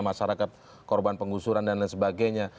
masyarakat korban penggusuran dan lain sebagainya